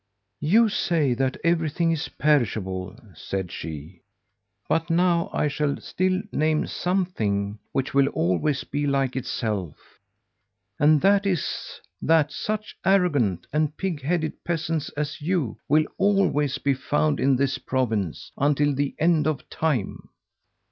'You say that everything is perishable,' said she, 'but now I shall still name something which will always be like itself; and that is that such arrogant and pig headed peasants as you will always be found in this province until the end of time.'